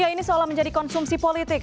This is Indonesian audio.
ini seolah menjadi konsumsi politik